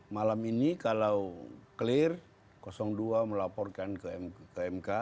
malam ini kalau clear dua melaporkan ke mk